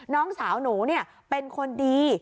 น้องสาวหนูเนี่ยเป็นคนดี